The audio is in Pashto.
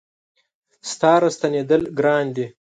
ستا را ستنېدل ګران دي